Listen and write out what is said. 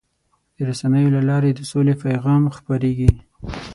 د رسنیو له لارې د سولې پیغام خپرېږي.